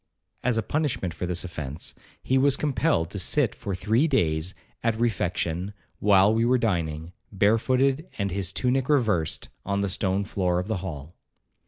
As a punishment for this offence, he was compelled to sit for three days at refection, while we were dining, barefooted and his tunic reversed, on the stone floor of the hall.